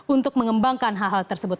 untuk mengembangkan hal hal tersebut